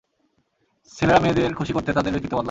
ছেলেরা মেয়েদের খুশি করতে তাদের ব্যক্তিত্ব বদলায়।